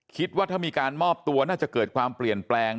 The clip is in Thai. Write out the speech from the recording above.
คิดว่าถ้ามีการมอบตัวน่าจะเกิดความเปลี่ยนแปลง